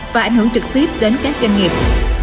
và ảnh hưởng trực tiếp đến các doanh nghiệp